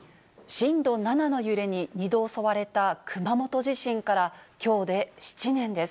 震度７の揺れに２度襲われた熊本地震からきょうで７年です。